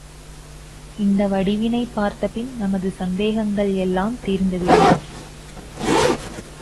இந்த வடிவினைப் பார்த்த பின் நமது சந்தேகங்கள் எல்லாம் தீர்ந்து விடும்.